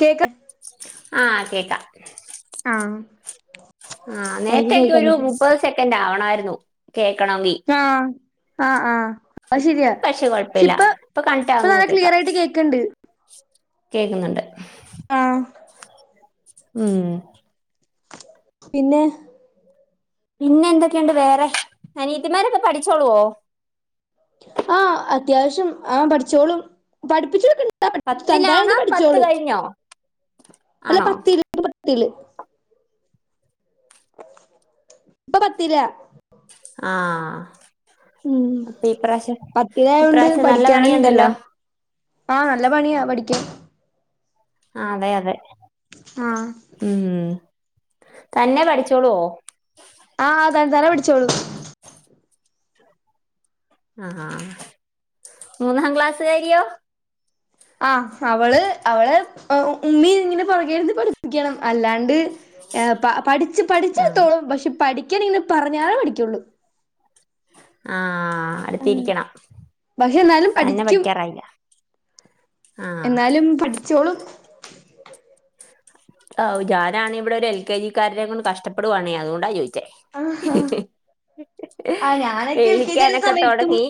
കേക്ക ആഹ് കേക്കാം ആഹ് [unintelligible] ആ എനിക്ക് കേൾക്കാൻ നേര്ത്തെക്കൊരു പറ്റും മുപ്പത് സെക്കന്റ് ആവണായിരു ന്നു. കേക്കണമെങ്കി ആഹ് ആഹ് ആഹ് അത് ഇപ്പൊ ശരിയാ പക്ഷെ കൊഴപ്പില്ലാ ഇപ്പ ഇപ്പൊ നല്ല കണക്റ്റാവുന്നത് കേക്കാം ക്ലിയർ ആയിട്ട് കേൾക്കണ്ട് കേക്കുന്നുണ്ട് ആഹ് ഉം പിന്നേ പിന്നെ എന്തൊക്കെയൊണ്ട് വേറെ അനീത്തിമാരൊക്കെ പഠിച്ചോളുവോ ആ അത്യാവശ്യം ആ പഠിച്ചോളും പഠിപ്പിച്ചൊടുക്ക പത്തിലാണോ പത്ത് കഴിഞ്ഞോ അല്ല ആണോ പത്തില് പത്തില് ഇപ്പൊ പത്തിലാ ആഹ് ഉം അപ്പൊ ഇപ്രാവശ്യം പത്തിലായോണ്ട് ഇപ്രാവശ്യം നല്ല പഠിക്കാനുണ്ടല്ലോ പണിയുണ്ടല്ലോ ആ നല്ല പണിയാ പഠിക്കാൻ ആ അതെയതെ ആഹ് ഉം തന്നെ പഠിച്ചോളുവോ തന്നത്താനേ പഠിച്ചോളൂ ആ മൂന്നാം ക്ലാസുകാരിയോ ആ അവള് അവള് ഉമ്മി ഇങ്ങനെ പൊറകെ ഇരുന്ന് പഠിപ്പിക്കണം അല്ലാണ്ട് ഏഹ് പ പഠിച്ച് ആഹ് പഠിച്ചെടുത്തോളും പക്ഷേ പഠി ക്കന്നെന്ന് പറഞ്ഞാലേ പഠിക്കുള്ളൂ ആഹ അടുത്തിരിക്കണം പക്ഷെ എന്നാലും തന്നെ പഠിക്കും പഠിക്കാറായില്ല ആഹ് എന്നാലും പഠിച്ചോളും ആഹ് ഞാനാണെ ഇവിടെ രു എൽ കെ ജിക്കാരനെ കൊണ്ട് കഷ്ടപ്പെടുവാണേ അതുകൊണ്ടാ ചോ ച്ചെ ആഹ് ആഹ് ഞാനൊക്കെ എൽ കെ ജി ആയിരുന്ന എയിക്കാനൊക്കെ സമയത്തും തൊടങ്ങി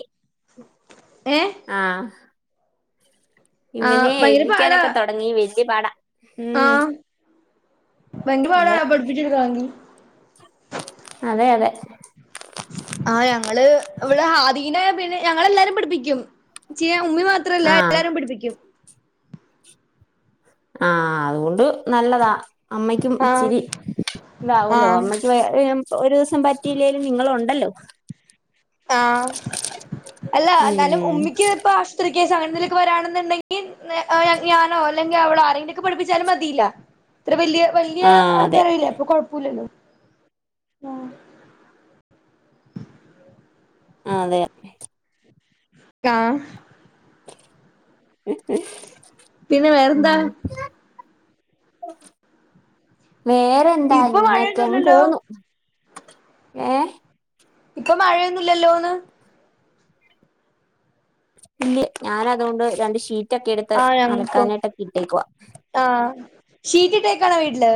ഏഹ് ആ ആഹ് ഇവനെ എഴിക്കാനൊക്കെ തുടങ്ങി വെ പാടാ ആ ഉം ഭയങ്കര പാടാ അതെ പഠിപ്പിച്ച്ടുക്കാങ്കി അതെ അതെ ആ ഞങ്ങള് ഇവിടെ ഹാദീനെ പിന്നെ ഞങ്ങളെല്ലാരും പഠിപ്പിക്കും [unintelligible] ഉമ്മി മാത്രല്ല ആഹ് എല്ലാരും പിടിപ്പിക്കും ആ ആ അത് കൊണ്ട് നല്ലതാ അമ്മയ്ക്കും ആഹ് ഇച്ചിരി ഇതാവുല്ലോ ആഹ് അമ്മയ്ക്ക് ഒരു ദിസം പറ്റിയില്ലെലും നിങ്ങളോണ്ടല്ലോ ആ അല്ല ന്നാലും ഉം ഉമ്മിക്ക് ഇപ്പ ആശുത്രി കെസ് അങ്ങനേന്തെല്ക്കെ വരാണെന്നുണ്ടങ്കി ഞാനോ അല്ലെങ്കിൽ അവളോ ആരെങ്കിലൊക്കെ പഠപ്പിച്ചാലും മതിയില്ല ഇത്ര വലിയ വല്ല്യ ആഹ് അതെ [unintelligible] അപ്പൊ കൊഴപ്പോല്ലല്ലോ ആ ആ അതെ കാ ഉ പിന്നെ വേറെന്താ വേറെന്താ ഇപ്പൊ ഇങ്ങനെയൊക്കെയങ്ങ് മഴയൊന്നുല്ലല്ലോ പോവുന്നു ഏ ഇപ്പൊ മഴയൊന്നുംല്ലല്ലോന്ന് ഇല്ല ഞാന് അതുകൊണ്ട് രണ്ട് ഷീ റ്റൊക്കെ എടുത്ത് ആഹ് ഞങ്ങക്കും അലക്കാനായിട്ടൊക്കെ ഇട്ടേക്കുവാ ശീറ്റിട്ടേ ക്കാണോ വീട്ടില്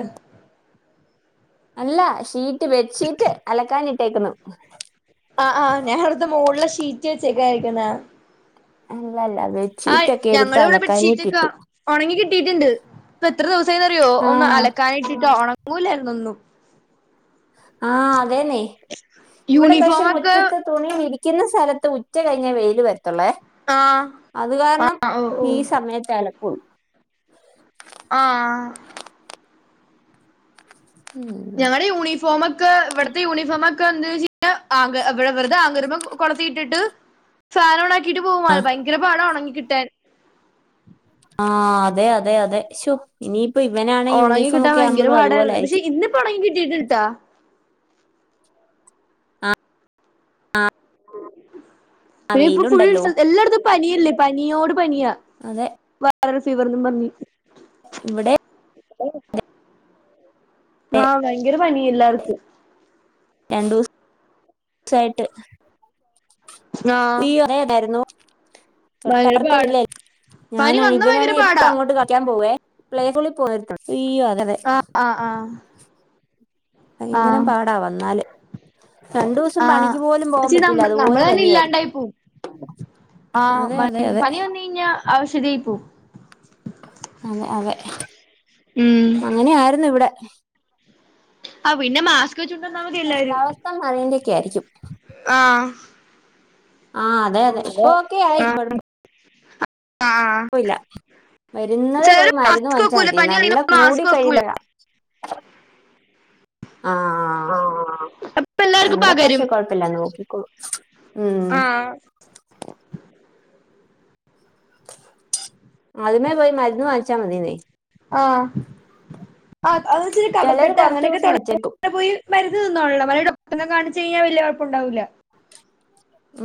അല്ല ഷീറ്റ് ബെഡ്ഷീറ്റ് അലക്കാനിട്ടേക്കുന്നു അആ ഞാന് വെറുതെ മോളില് ഷീറ്റ് വെച്ചേക്കാ ആയിരിക്കുന്നോ ഉം ആഹ് ഞങ്ങള് ഇവടെ ബട്ഷീറ്റക്കാ ഒണങ്ങി കിട്ടിട്ടുണ്ട് ഇപ്പൊ എത്ര ദിവസായിന്ന്റിയോ ഒന്ന് ആഹ് അലക്കാന് ഇട്ടിട്ടോ ഒണ ങ്ങൂല എന്നെന്നും ആഹ് അതേന്നെ ഇവിടെ പക്ഷേ യൂണിഫോമൊക്കെ മുറ്റത്ത് തുണി വിരി ക്കുന്ന സ്ഥലത്ത് ഉച്ച കഴിഞ്ഞാ വെയിൽ വരും ത്തൊള്ളേ ആഹ് അത് കാരണം ആഹ് ഓ ഓ ഈ സമയത്താലക്ക് [unintelligible] ആഹ് ഉം ഞങ്ങടെ യൂണിഫോമൊക്ക ഇവിടത്തെ യൂണിഫോമക്കെ എന്താച്ചാ അ ആങ്ക ഇവിടെ വെറുതെ ആങ്കരുമെ കൊളത്തിട്ടിട്ട് ഫാനോണാ ക്കീട്ട് പോകും ഭയങ്കര പാട ഉണങ്ങികിട്ട ട്ടാൻ ആഹ് അതെ അതെ അതെ ശ്ശൊ ഇനി ഒണങ്ങി കിട്ടാൻ ഭയങ്കര പാടായിരുന്നു പക്ഷേ ആയിരിക്കും ഇന്നിപ്പോ ഉണങ്ങി കിട്ടിട്ട്ണ്ട് ഇട്ടാ ഉം ആഹ് പിന്നെ ഇപ്പ ഫുൾ വെയിലുണ്ടല്ലോ സ്ഥ എല്ലായിടത്തും പനിയല്ലേ പനിയോട് പനിയാ അതെ വയ്റൽ ഫീവർന്നും പറഞ്ഞി ഇവിടെ ആഹ് ഭയങ്കര പനി എല്ലാർക്കും രണ്ടുസ് സായിട്ട് ആഹ് ഈ ഒറേ ണ്ടായിരുന്നു ഭയങ്കര തൊട്ടാർത്ത പാടാ ഇല്ലേ പനി ഞാനാണ് വന്നാ ഇവനാണ് ഭയങ്കര എപ്പ പാടാ അങ്ങോട്ട് കളിക്കാൻ പോവേ പ്ലേസ്കൂളിൽ പോയിരുന്നു ഇയ്യോ അതെ ആഹ് ആഹ് ആഹ് ഭയങ്കരം ആഹ് പാടാ വന്നാല് രണ്ടൂവസം ആഹ് പണിക്ക് പോലും പോവാൻ ച്ചി പറ്റില്ല നമ്മ അതുപോലെ നമ്മള് തന്നെ പനിയായിരുന്നു ഇല്ലാണ്ടായി പോവും അതെ അതെ അതെ അവശദീപൂ അതെ അതെ ഉം അങ്ങനെയായിര്ന്നു ഇവിടെ [inaudible] ആഹ് പിന്നെ മാസ്ക് വെച്ചോണ്ടന്നാമതി എല്ലാരും ക്കേരിക്കും ആഹ് ആഹ് അതെ അതെ ഇപ്പോക്കെ ആയി ആഹ് കൊഴപ്പ് ആഹ് ഒല്യ വരുന്നതേ പോയി ചെലര് മരുന്ന് മാസ്ക് വാങ്ങിച്ചാ വെക്കൂല മതി പനി നല്ല അറിയണ കൂടി മാസ്ക് വെക്കൂല കഴിയുമ്പോഴാ ആഹ അപ്പൊ എല്ലാർക്കും ഇവിടെ പക്ഷെ പകരും കൊഴപ്പില്ല നോക്കിക്കോളൂ ഉം ആഹ് ആദ്യമേ പോയി മരുന്ന് വാങ്ങിച്ചാ മതി ആഹ് ആഹ് [unintelligible] വെച്ചിരി ചിലര് കബക്കട്ട കുറച്ചു അങ്ങനെയൊക്കെ ദിവസം വെച്ചേക്കും തുടങ്ങ പോയി മരു- ഇന്ന [unintelligible] ഡോക്ടറെ കാണിച്ചാൽ വല്യ [unintelligible] കൊഴപ്പം ഉണ്ടാവില്ല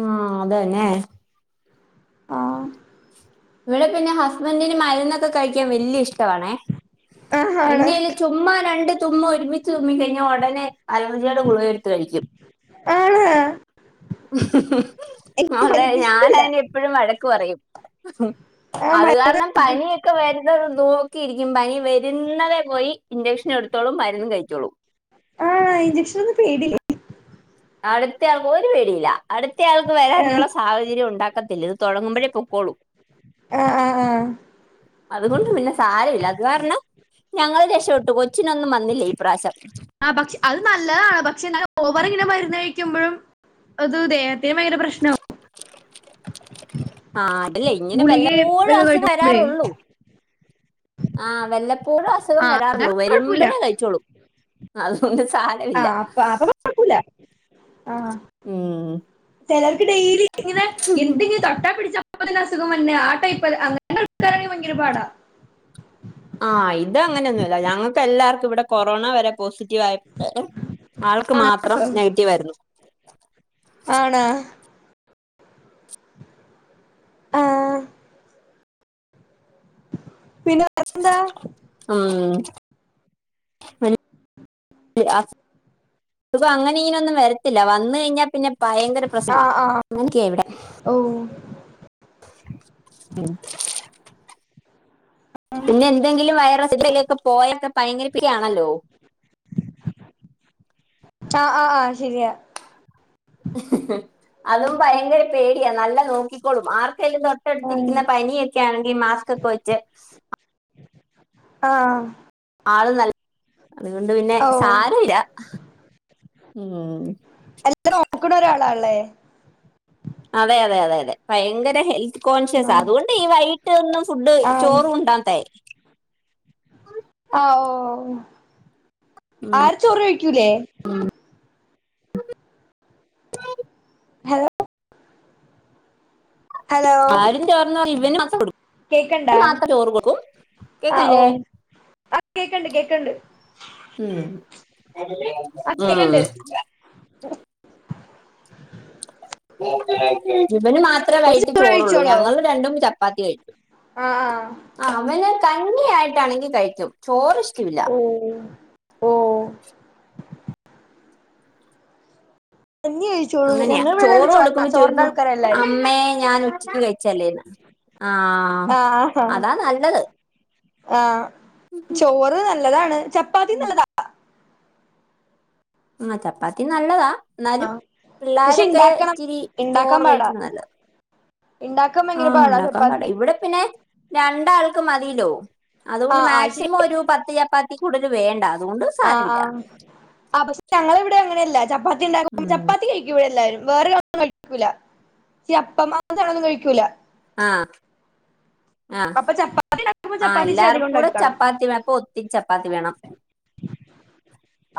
ആഹ് അതന്നെ ആഹ് ഇവടെ പിന്നെ ഹസ്ബന്റിന് മരുന്ന കഴിക്കാൻ വലിയ ഇഷ്ട്ട വാണെ ആഹ് ആണ് എന്റേല് ചുമ്മാ രണ്ട് ചുമ്മാ ഒരുമി- തുമ്മിക്കഴിഞ്ഞാൽ ഒടനെ അലർജിയുടെ ഗുളികട്ത്ത് കഴിക്കും ആണ് [unintelligible] എനിക്ക് അതെ മരുന്ന് ഇഷ്ടല്ല ഞാനയ്നെ എപ്പോഴും വഴക്ക് പറയും ആഹ് അത് മ കാരണം പനിയൊക്കെ വരുന്നത് നോക്കിയിരിക്കും പനി വരുന്നതെ പോയി ഇൻജക്ഷൻ എടുത്തോളും മരുന്ന്യംകഴിച്ചോളും ആഹ് ഇഞ്ചക്ഷനൊന്നും പേടില്ലേ അടുത്ത ആൾക്ക് ഒരു പേടില്ല അടുത്ത ആൾക്ക് ആഹ് വരാനുള്ള സാഹചര്യം ഉണ്ടാ- ത്തില്ല ഇത് തുടങ്ങുമ്പോഴേ പൊക്കോളും ആഹ് ആഹ് ആഹ് അതുകൊണ്ട് പിന്നെ സാരല്ല അത് കാരണം ഞങ്ങൾ രക്ഷോട്ട് കൊച്ചിനൊന്നും വന്നില്ല ഇപ്രാശം ആ പക്ഷ അഹ് നല്ലതാണ് പക് പക്ഷെ ഓവർ ഇങ്ങനെ മരുന്ന് കഴിക്കുമ്പോഴും അത് ദേഹത്തിന് ഭയങ്കര പ്രശ്നമാവും ആഹ് ഇല്ലെയ് ഇങ്ങനെ ഗുളിക വല്ലപ്പോഴും ഒക്കെ അസു കഴിക്കുമ്പോഴേ വരാരുള്ളൂ ആഹ് വെല്ലപ്പോഴും ആ അസുഖം അതാണ് വരാരുള്ളു കുഴപ്പമില്ല വരുമ്പഴേ കഴിച്ചോളു [unintelligible] അതുകൊണ്ട് ആ സാരല്ല അപ്പൊ അപ്പൊ കുഴപ്പമില്ല ഉം ചെലർക്ക് ഡെയിലി ഇങ്ങനെ എന്തെങ്കിലും തട്ടാ പിടിച്ച അപ്പ തെന്നെ അസുഖം വര്ന്ന ആ ടൈപ്പല്ല ആ [unintelligible] ആ ഇത് അങ്ങനെന്നൊല്ല ഞങ്ങൾക്ക് എല്ലാർ ക് ഇവിടെ കൊറോണ വരെ പോസി റ്റീവായി [unintelligible] ആൾക്ക് ആണ് മാത്രം കേട്ടോ. നെഗറ്റീവായിരുന്നു. ആണോ ആ പിന്നെ എന്താ ഉം [unintelligible] അങ്ങനെ ഇനെ ഒന്നും വരത്തില്ല വന്ന് കഴിഞ്ഞാ പിന്നെ ഭയങ്കര ആ പ്രശ്നാ അ ആ ങ്ങനെയൊക്കെ ഇവിടെ ഓ പിന്നെ എന്തെങ്കിലും വൈറസ് [unintelligible] ക്കെ പോയൊക്കെ ഭയങ്കരപ്പിരിയാണല്ലോ ആ ആ ശരിയാ അതും ഭയങ്കര പേടിയാ നല്ല നോക്കിക്കോളും ആർ ഏൽ തൊട്ടടുത്തിരിക്കുന്ന പനിയൊക്കെ ആൺങ്കി മാസ്ക്കൊക്കെ വെച്ച് ആഹ് ആള് നല്ല അതുകൊണ്ട് പിന്നെ ഓ സാരമില്ല. ഉം എല്ലാം നോക്കണ ഒരാ ളല്ലേ അതെ അതെ അതെ അതെ ഭയങ്കര ഹെൽത്ത് ആ. കോൺഷ്യസാ അതുകൊണ്ട് ഈ വൈകിട്ട് ഒന്നും ഫുഡ് ചോറും ഉണ്ടാത്തേ അ ഓഹ് ഉം ആര് ചോറ് കഴിക്കൂലേ ഹലോ ഹലോ ആരും ചോർന്നല്ല ഇവനും കേക്കണ്ടാ മാത്ര ചോറ് കൊടുക്കും ആഹ് ഓ കേക്ക്ല്ലേ ആ കേക്ക്ണ്ട് കേക്ക്ണ്ട് ഉം ആ ഹ് ഉം കേക്കണ്ട് [unintelligible] ഇവന് മാത്രമേ കൊറച്ച് വൈകിട്ട് ചോറുള്ളൂ ഞങ്ങൾ രണ്ടും ച പ്പാത്തി കഴിക്കും. ആ ആ തന്നെയായിട്ടാണെങ്കി കഴിക്കും ചോറ് ഇഷ്ടമില്ല ഓ ഓ കഞ്ഞി കഴിച്ചോളൂ അങ്ങനെയ ഞങ്ങൾ ഇവിടെ എല്ലാരും ചോറ് ചോ കൊടുക്കുമ്പോൾ ചോറിന്റെ ചോയിക്കും ആൾക്കാരാ എല്ലാരും അമ്മേഞാൻ ഉച്ചക്ക് കഴിച്ചല്ലേന്ന് [inaudible] ആ അതാ നല്ലത് ആ ഉം ചൊറ് നല്ല നല്ലതാണ് ചപ്പാത്തി നല്ലതാ ആ ചപ്പാത്തി നല്ലതാ എന്നാലും പക്ഷെ പിള്ളേരൊക്കെ ഇണ്ടാക്കണം ഇച്ചിരി ഇണ്ടാക്കാൻ ചോറ് പാടാ കഴിക്കുന്നാനല്ലത് ഇണ്ടാക്കാൻ ആ ഭയങ്കര പാടാ ഉണ്ടാക്കാൻ പാട ചപ്പാത്തി ഇവിടെ പിന്നെ രണ്ടാൾ ക്ക് മതില്ലോ അതുകൊണ്ട് ആഹ് ആഹ് ശരി മാക്സിമം ഒരു പത്ത് ചപ്പാ അതിൽ കൂടുൽ വേണ്ടാ ആ ആ ആ പക്ഷെ ഞങ്ങള ഇവിടെ അങ്ങനെയല്ല ല്ല ചപ്പാ ചപ്പത്തിണ്ടാക്കും ഉം ചപ്പാത്തി കഴിക്കും ഇവിടെ എല്ലാരും വേറെ ഒന്നും കഴിക്കൂല ഈ അപ്പം [unintelligible] മാണൊന്നും കഴിക്കൂല ആ ആ അപ്പൊ ചപ്പാത്തി ഉണ്ടാക്കുമ്പോ ആ ചപ്പാത്തി ഇച്ചിരി അധികം എല്ലാർക്കും കൂടെ ഉണ്ടാക്കണം ചപ്പാത്തി വേണ്ണം അപ്പൊ ഒത്തിരി ചപ്പാ ചപ്പാത്തി വേണം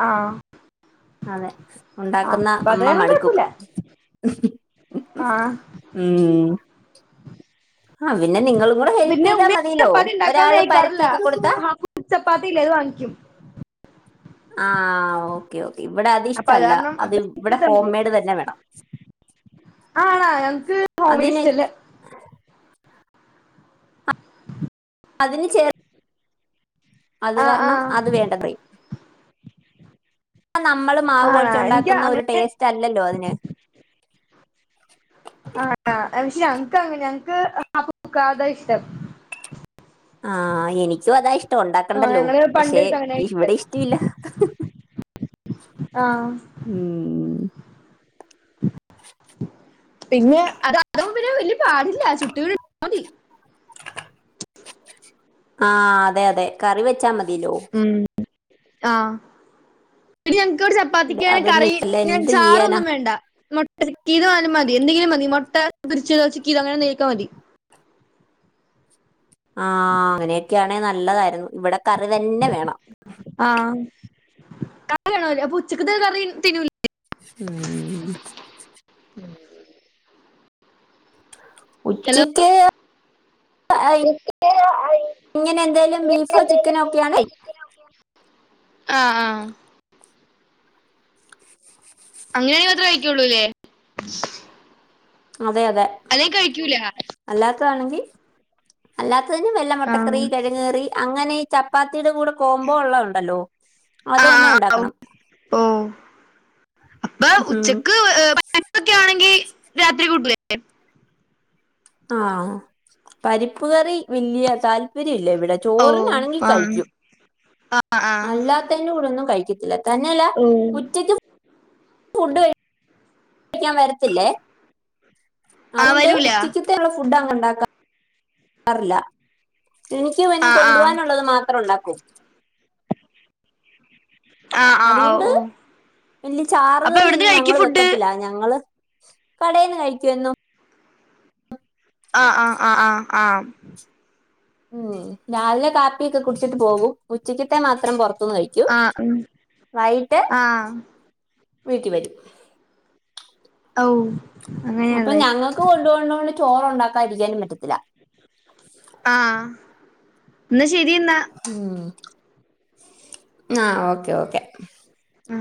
ആ അതെ ഉണ്ടാക്കുന്ന അപ്പൊ അത് അമ്മ കാരണം മടുക്കും കുഴപ്പമില്ല ആഹ് ഉം ആ പിന്നെ നിങ്ങൾ പിന്നെ ഉമ്മി നെചപ്പാത്തി ഉണ്ടാക്കാന് പരത്തിയൊക്കെ കൊടുത്താ അഴിക്കാറില്ലഹാഫ് കുക്ക്ചപ്പാത്തില്ലേ അത് വാങ്ങിക്കും ആഓക്കെ ഓക്കേ ഇവിടെ അത് അപ്പൊ ഇഷ്ടല്ല കാരണം അത് അപ്പൊ ഇവിടെ ഹോം മതി മെയ്ഡ് തന്നെ വേണം ആണാ ഞങ്ങക്ക് ഹോം മെയ്ഡ് അതിന് ഇഷ്ടല്ല അതിന് ചേർ അത് ആഹ് കാരണം ആഹ് അത് വേണ്ടത്രയും ആ നമ്മൾ മാവ് ആണാ കുഴിച്ച് എനിക്ക് ഉണ്ടാക്കുന്ന ഒരു അങ്ങനെ ടേസ്റ്റ് അല്ലല്ലോ അതിന് ആ പക്ഷെ ഞങ്ങക്ക് അങ്ങനെ ഞങ്ങക്ക് അത് ആക്കാതെ ആ ഇഷ്ടം ആ എനിക്കും അതാ ഇഷ്ടം ആഹ് ഉണ്ടാക്കണ്ടല്ലോ ഞങ്ങള് പണ്ട് പക്ഷെ തൊട്ട് അങ്ങനെ ഇവിടെ കഴിക്കാറ് ഇഷ്ടമില്ല [inaudible] ആഹ് ഉം പിന്നെ അത് അത്ര വല്യ വെല്യ പാടില്ലാ, ചുട്ട് [unintelligible] തി ആ അതെ അതെ കറി വെച്ചാ മത് കിലോ ഉം. ആ ക്വ്ടെ ഇവിടെ ചപ്പാത്തിക്കാണേ അതൊന്നും കറി ഇല്ല ഞെ എന്ത് ചെയ്യാനാ ചാറൊന്നും വേണ്ട മൊട് [unintelligible] ആയാലും മതി എന്തെങ്കിലും മതി മൊട്ട പൊരിച്ചതൊ ചിക്കീതൊ അങ്ങനെന്തേലൊക്കെ മതി. ആ അങ്ങനെയൊക്കെയാണേ നല് ല്ലതായിരുന്നു. ഇവിടെ കറി തന്നെ വേണം. ക വേണംനില്ലേ അപ്പൊ ഉച്ചക്കത്തെ കറി തിന്നൂല മ് ഹലോ ഉച്ചയ്ക്ക് ഇങ്ങനെ എന്തേലും ബീഫോ ചിക്കനോ ഒക്കെ ആണേ ആ ആ അങ്ങനെയാണെങ്കി മാത്രേ കഴിക്കൊള്ളൂലേ. അതെ അതെ അല്ലാത്തതാണെങ്കി അല്ലാത് [unintelligible] ആ മൊട്ടക്കറി കെഴങ്ങ് കറി അങ്ങനെ ചപ് പാത്തിടെ കൂടെ കോംബോ ഒള്ളണ്ടല്ലോ അത് ആ, തന്നെ ആ, ഓ. ഉണ്ടാക്കണം, ഓ അപ്പൊ മ് ഉച്ചക്ക് ഏ, പരിപ്പൊക്കെ ആണെങ്കിൽ രാത്രി കൂട്ടുലെ ആ പരിപ്പ്കറി വല്യ താല്പ് ഇവര്ല്ലേവിടെ ഓ ചോറിനാണെങ്കി ആ കഴിക്കും ആ ആ അല്ലാത്തെന്റെ കൂടെന്നും കഴിക്ക [unintelligible] തന്നെയല്ല ഓ ഉറ്റക്ക് ഫുഡ് കഴി ഴിക്കാൻ വരത്തില്ലേ. ആ അതുകൊണ്ട് വരൂല ഉച്ചക്ക്ത്തെള്ള ഫു ഫുഡ് അങ്ങ്ണ്ടാക്ക റില്ല. എനിക്ക് വെ ഞാ ആ ആ കൊണ്ട് പോവാനുള്ളത് മാത്രം ഉണ്ടാക്കും. ആ ആ ഓ അതുകൊണ്ട് ഓ വല്യ അപ്പൊ എവിടുന്ന് ചാറ്കറിയൊന്നും ഞങ്ങൾ കഴിക്കും ഫുഡ് വെക്കത്തില്ല, ഞങ്ങള് കടേന്ന് കഴിക്കും എന്നും. ആ ആ ആ ആ ആം ഉം രാവിലെ കാപ്പി ഒക്കെ കുടിച്ചിട്ട് പോകും, ഉച്ചക്കെത്തെ മാത്രം പൊറത് ത്തൂന്ന് കഴിക്കും ആ ഉം വൈകിട്ട് ആ വീട്ടി വരും ഔ അപ്പൊ അങ്ങനെയള്ളേ ഞങ്ങൾക്ക് കൊണ്ട്പോണ്ടോണ്ട് ചോറ് ഒണ്ടാക്കാതിരിക്കാനും പറ്റത്തില്ല ആ ന്ന ശ ശരിയെന്നാ ആഹ് ഓക്കെ ഓക്കെ ഉം